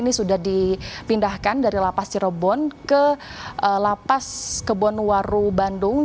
ini sudah dipindahkan dari lapas cirebon ke lapas kebonwaru bandung